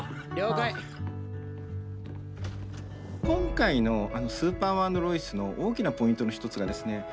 今回の「スーパーマン＆ロイス」の大きなポイントの一つがですね